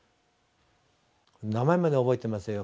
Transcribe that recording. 名前まで覚えてますよ。